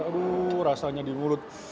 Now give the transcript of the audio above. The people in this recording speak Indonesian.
aduh rasanya di mulut